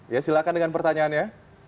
ya silakan dengan pertanyaannya